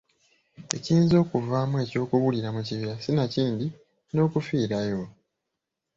Ekiyinza okuvaamu eky'okubulira mu kibira sinakindi n’okufiirayo.